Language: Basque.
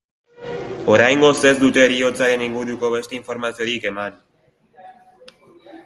Oraingoz ez dute heriotzaren inguruko beste informaziorik eman.